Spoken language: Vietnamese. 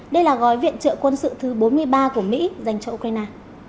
đây là gói viện trợ quân sự thứ bốn mươi ba của mỹ dành cho ukraine